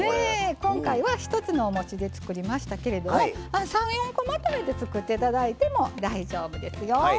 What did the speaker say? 今回は、一つのおもちで作りましたけれども３４個作っていただいても大丈夫ですよ。